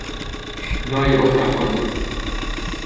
no hay otra forma.